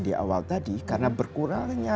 di awal tadi karena berkurangnya